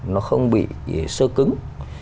nó không bị sơ cứng